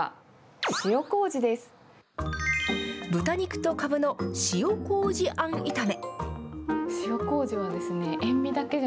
豚肉とかぶの塩こうじあん炒め。